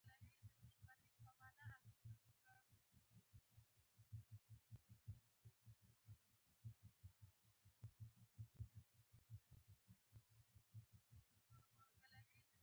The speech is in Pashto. په لویو واکمنو مو ګوته نه ورځي.